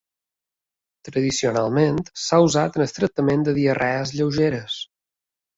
Tradicionalment s'ha usat en el tractament de diarrees lleugeres.